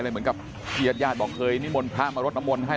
เหมือนกับที่ญาติญาติบอกเคยนิมนต์พระมารดน้ำมนต์ให้